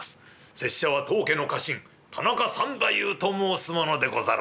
拙者は当家の家臣田中三太夫と申す者でござる」。